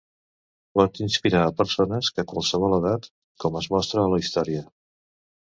Pot inspirar a persones que qualsevol edat, com es mostra a la història.